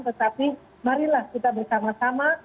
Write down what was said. tetapi marilah kita bersama sama